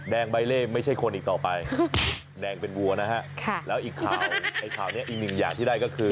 ใบเล่ไม่ใช่คนอีกต่อไปแดงเป็นวัวนะฮะแล้วอีกข่าวไอ้ข่าวนี้อีกหนึ่งอย่างที่ได้ก็คือ